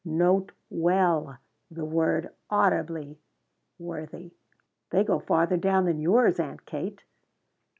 Note well the word audibly, Worthie." "They go farther down than yours, Aunt Kate."